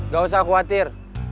gak usah khawatir